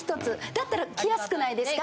だったら来やすくないですか？